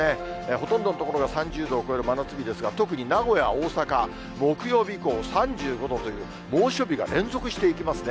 ほとんどの所が３０度を超える真夏日ですが、特に名古屋、大阪、木曜日以降、３５度という猛暑日が連続していきますね。